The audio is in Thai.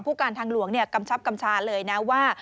การทางหลวงกำชับกำชาเลยนะว่า